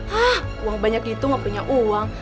hah uang banyak gitu gak punya uang